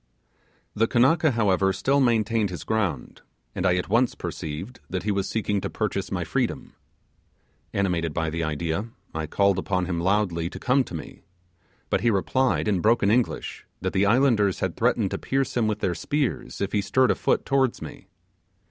The Kanaka, however, still maintained his ground, and I at once perceived that he was seeking to purchase my freedom. Animated by the idea, I called upon him loudly to come to me; but he replied, in broken English, that the islanders had threatened to pierce him with their spears, if he stirred a foot towards me.